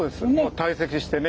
堆積してね。